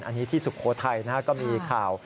อันนี้ที่สุโขทัยก็มีข่าว